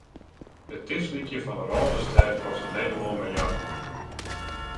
It tichtslykjen fan de Rânestêd kostet Nederlân miljarden.